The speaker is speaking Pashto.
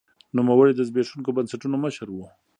نوموړي د زبېښونکو بنسټونو مشر و.